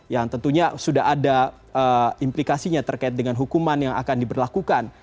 yang tentunya sudah ada implikasinya terkait dengan hukuman yang akan diberlakukan